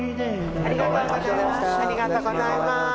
ありがとうございます。